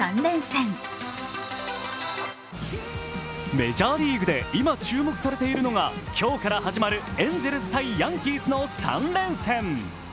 メジャーリーグで今、注目されているのが今日から始まるエンゼルス×ヤンキースの３連戦。